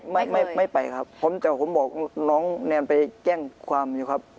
ไม่ไม่ไปครับผมแต่ผมบอกน้องแนมไปแจ้งความอยู่ครับ